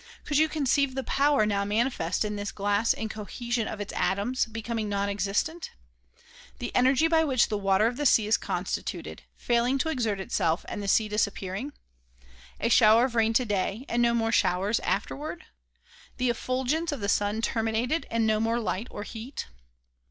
Could you conceive the power now manifest in this glass in cohesion of its atoms, becoming non existent ? The energy by which the water of the sea is constituted, failing to exert itself and the sea disappearing 1 A shower of rain today and no more showers after ward ? The effulgence of the sun terminated and no more light or heat?